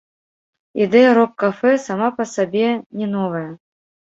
Ідэя рок-кафэ сама па сабе не новая.